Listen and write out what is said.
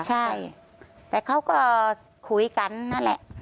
ใช่แต่เขาก็คุยกันนั่นแหละ